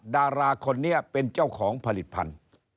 ดาราคนนี้เป็นเจ้าของผลิตภัณฑ์